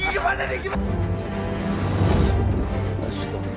jangan keboh dia